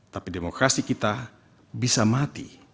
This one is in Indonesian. tapi demokrasi kita bisa mati